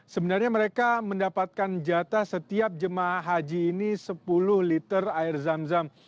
sebenarnya mereka mendapatkan jatah setiap jemaah haji ini sepuluh liter air zam zam